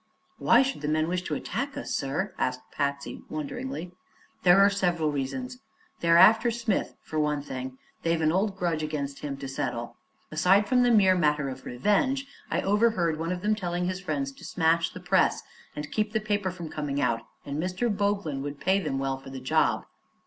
"Why should the men wish to attack us, sir?" asked Patsy wonderingly. "There are several reasons. They're after Smith, for one thing. They've an old grudge against him to settle. Aside from the mere matter of revenge I overheard one of them telling his friends to smash the press and keep the paper from coming out, and Mr. Boglin would pay them well for the job."